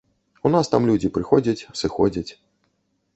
У нас там людзі прыходзяць, сыходзяць.